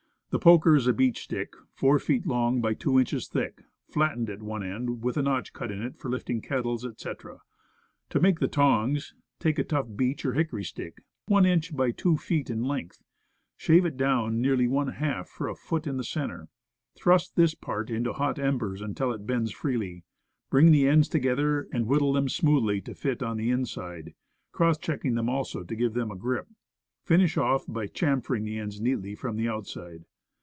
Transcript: The poker is a beech stick four feet long by two inches thick, flattened at one end, with a notch cut in it for lifting kettles, etc. To make the tongs, take a tough beech or hickory stick, one inch thick by two feet in length, shave it down nearly one half for a foot in the center, thrust this part into hot embers until it bends freely, bring the ends together and whittle them smoothly to a fit on the inside, cross checking them also to give them a grip; finish off by chamfering the ends neatly from the outside.